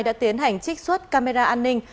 đã tiến hành trích xuất camera an ninh